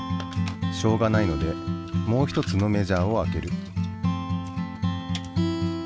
しょうがないのでもう一つのメジャーを開ける。